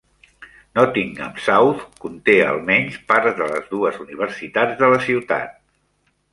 Nottingham South conté al menys parts de les dues universitats de la ciutat.